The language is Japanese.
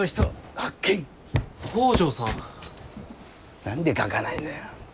何で書かないのよ。